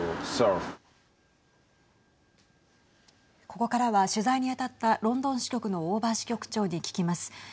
ここからは取材に当たったロンドン支局の大庭支局長に聞きます。